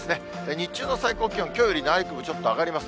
日中の最高気温、きょうより内陸部、ちょっと上がります。